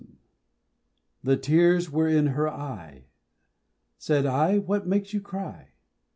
] THE tears were in her eye, Said I "what makes you cry?"